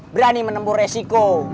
berani menembur resiko